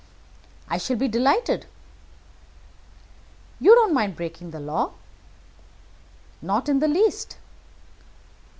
"I shall be delighted." "You don't mind breaking the law?" "Not in the least."